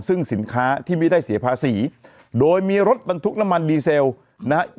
ซึ่งสินค้าที่ไม่ได้เสียภาษีโดยมีรถบรรทุกน้ำมันดีเซลนะฮะ